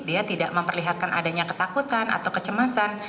dia tidak memperlihatkan adanya ketakutan atau kecemasan